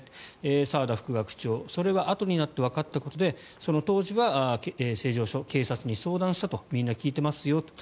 澤田副学長、それはあとになってわかったことでその当時は成城署警察に相談したとみんな聞いていますよと。